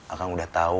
akang udah tahu